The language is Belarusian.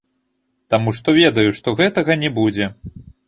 Таму што ведаю, што гэтага не будзе.